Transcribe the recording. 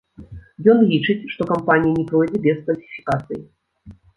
Ён лічыць, што кампанія не пройдзе без фальсіфікацый.